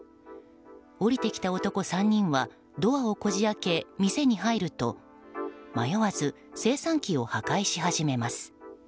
降りてきた男３人はドアをこじ開け店に入ると迷わず精算機を破壊し始めます。